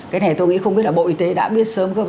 cái này tôi nghĩ không biết là bộ y tế đã biết sớm không